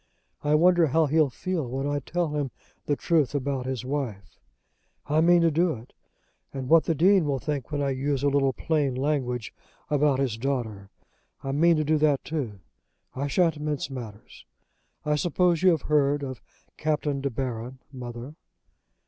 I wonder how he'll feel when I tell him the truth about his wife. I mean to do it; and what the Dean will think when I use a little plain language about his daughter. I mean to do that too. I shan't mince matters. I suppose you have heard of Captain De Baron, mother?"